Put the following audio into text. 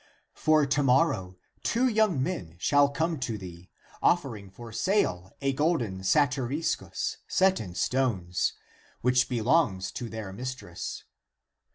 For to morrow two young men shall come to thee, offering for sale a golden satyriscus set in stones, which belongs to their mistress.